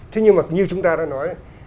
thế nhưng mà như chúng ta đã nói